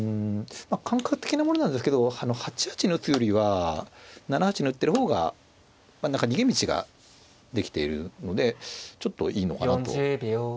感覚的なものなんですけど８八に打つよりは７八に打ってる方が何か逃げ道ができているのでちょっといいのかなと私は思います。